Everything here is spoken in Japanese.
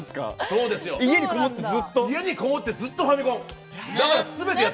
家にこもって、ずっとファミコン。